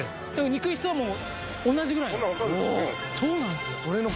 肉質はもう同じぐらいそうなんですよ